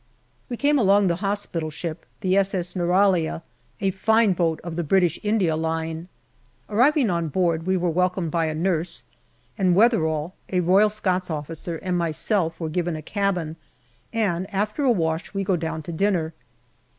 We came alongside the hospital ship, the S.S. Neuralia, a fine boat of the British India Line. Arriving on board, we were welcomed by a nurse, and Wetherall, a Royal Scots officer, and myself were given a cabin, and after a wash we go down to dinner.